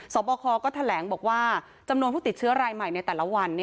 บคก็แถลงบอกว่าจำนวนผู้ติดเชื้อรายใหม่ในแต่ละวัน